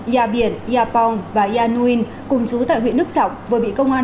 gia biển gia pong và gia nuyên cùng chú tại huyện đức trọng vừa bị công an